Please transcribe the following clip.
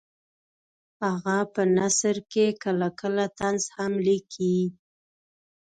هغه په نثر کې کله کله طنز هم لیکي